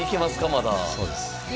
まだそうです